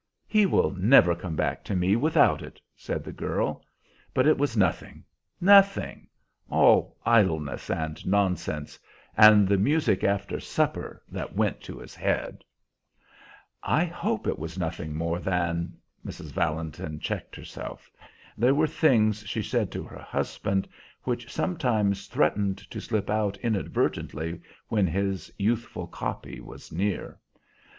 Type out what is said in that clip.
"He will never come back to me without it," said the girl. "But it was nothing nothing! All idleness and nonsense, and the music after supper that went to his head." "I hope it was nothing more than" Mrs. Valentin checked herself. There were things she said to her husband which sometimes threatened to slip out inadvertently when his youthful copy was near.